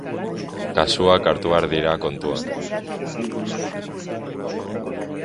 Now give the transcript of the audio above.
Kasuak hartu behar dira kontuan.